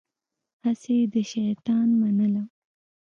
هسې يې د شيطان منله.